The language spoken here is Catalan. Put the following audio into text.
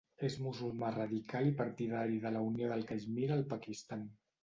És musulmà radical i partidari de la unió de Caixmir al Pakistan.